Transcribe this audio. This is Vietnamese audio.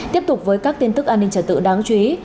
tiếp tục với các tin tức an ninh trật tự đáng chú ý